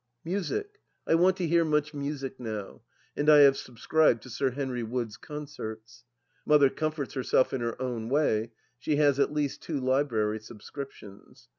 " Music I I want to hear much music now, and I have sub Bcribed to Sir Henry Wood's concerts. Mother comforts herself in her own way ; she has at least two library sub scriptions.